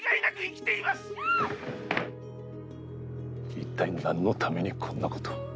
一体、何のためにこんなことを。